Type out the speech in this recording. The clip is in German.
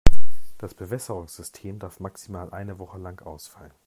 Das Bewässerungssystem darf maximal eine Woche lang ausfallen.